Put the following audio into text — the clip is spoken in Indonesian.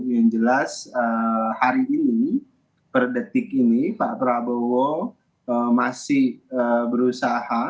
yang jelas hari ini per detik ini pak prabowo masih berusaha